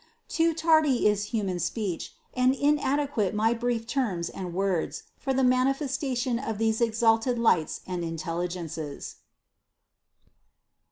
Too tardy is human speech, and inade quate my brief terms and words, for the manifestation of these exalted lights and intelligences.